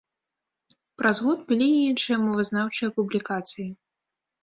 Праз год былі і іншыя мовазнаўчыя публікацыі.